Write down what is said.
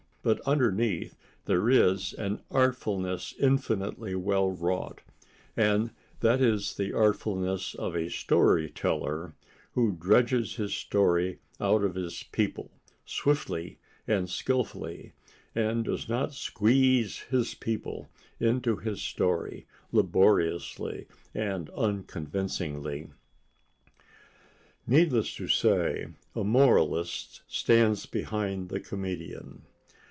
But underneath there is an artfulness infinitely well wrought, and that is the artfulness of a story teller who dredges his story out of his people, swiftly and skillfully, and does not squeeze his people into his story, laboriously and unconvincingly. Needless to say, a moralist stands behind the comedian.